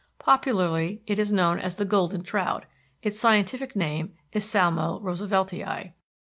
Popularly it is known as the golden trout; its scientific name is Salmo Rooseveltii.